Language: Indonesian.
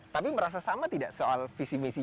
tapi merasa sama tidak soal visi misi